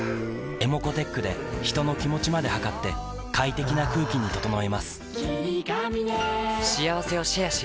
ｅｍｏｃｏーｔｅｃｈで人の気持ちまで測って快適な空気に整えます